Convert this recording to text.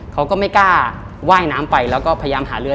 เขาก็ไม่กล้าว่ายน้ำไปแล้วก็พยายามหาเรือ